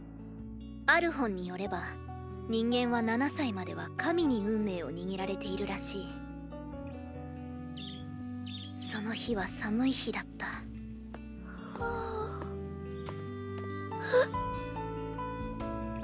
ある本によれば人間は７歳までは神に運命を握られているらしいその日は寒い日だったえっ